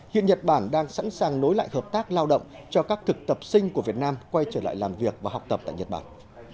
hiện nhật bản đang sẵn sàng nối lại hợp tác lao động cho các thực tập sinh của việt nam quay trở lại làm việc và học tập tại nhật bản